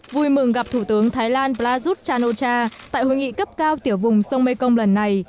vui mừng gặp thủ tướng thái lan prayuth chan o cha tại hội nghị cấp cao tiểu vùng sông mekong lần này